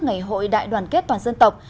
ngày hội đại đoàn kết toàn dân tộc